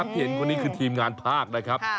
ที่เห็นคนนี้คือทีมงานภาคนะครับ